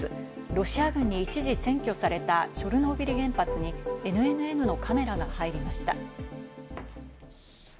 ロシア軍に一時占拠されたチョルノービリ原発にＮＮＮのカメラが入りました。